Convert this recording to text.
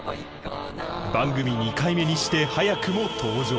番組２回目にして早くも登場！